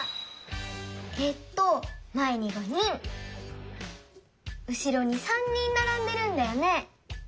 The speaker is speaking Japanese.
えっとまえに５人うしろに３人ならんでるんだよね。